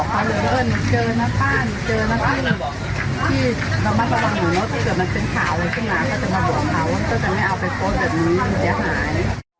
ว่าเขาก็จะไม่เอาไปโพสต์แต่มันถึงเสียหาย